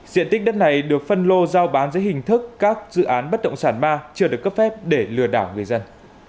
diện tích đất này được phân lô giao bán dưới hình thức các dự án bất động sản ma chưa được cấp phép để lừa đảo người dân